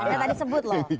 ya tadi sebut loh